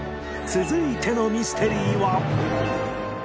続いてのミステリーは